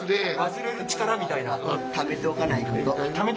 忘れる力みたいな。